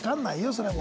それも。